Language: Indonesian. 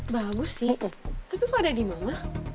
bagus sih tapi kok ada di mana